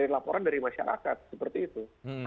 laporan dari masyarakat seperti itu